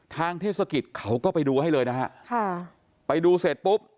เทศกิจเขาก็ไปดูให้เลยนะฮะค่ะไปดูเสร็จปุ๊บ